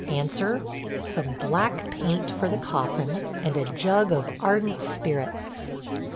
Answer some black paint for the coffin, and a jug of ardent spirits!